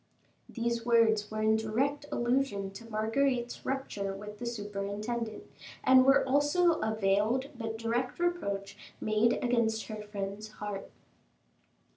These words were in direct allusion to Marguerite's rupture with the superintendent, and were also a veiled but direct reproach made against her friend's heart.